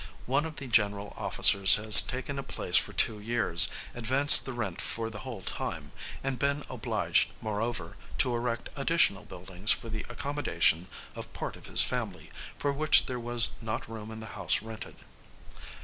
One of the general officers has taken a place for two years, advanced the rent for the whole time, and been obliged, moreover, to erect additional buildings for the accommodation of part of his family, for which there was not room in the house rented.